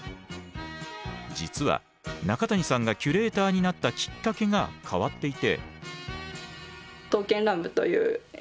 実は中谷さんがキュレーターになったきっかけが変わっていて。